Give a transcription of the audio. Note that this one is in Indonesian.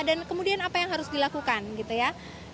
dan kemudian apa yang harus dilakukan gitu ya